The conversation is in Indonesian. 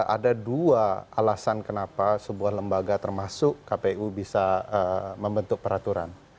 ada dua alasan kenapa sebuah lembaga termasuk kpu bisa membentuk peraturan